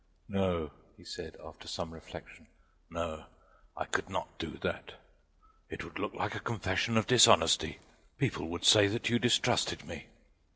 "No," he said, after some reflection, "no, I could not do that; it would look like a confession of dishonesty. People would say that you distrusted me."